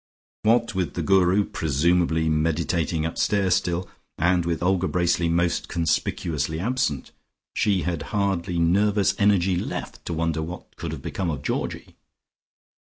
What with the Guru, presumably meditating upstairs still, and with Olga Bracely most conspicuously absent, she had hardly nervous energy left to wonder what could have become of Georgie.